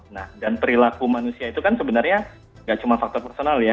nah dan perilaku manusia itu kan sebenarnya nggak cuma faktor personal ya